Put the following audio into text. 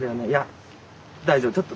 いや大丈夫。